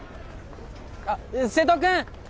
あっ瀬戸君！